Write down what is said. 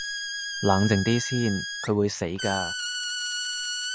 冷靜啲先，佢會死㗎